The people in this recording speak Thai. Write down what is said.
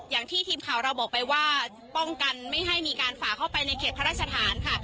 อย่างที่ทีมข่าวเราบอกไปว่าป้องกันไม่ให้มีการฝ่าเข้าไปในเขตพระราชฐานค่ะ